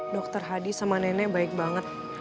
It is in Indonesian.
dokter hadi sama nenek baik banget